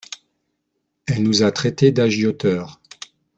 Elle nous a traité d'agioteurs.